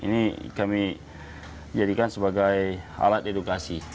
ini kami jadikan sebagai alat edukasi